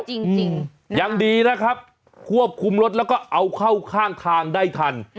จริงจริงยังดีนะครับควบคุมรถแล้วก็เอาเข้าข้างทางได้ทัน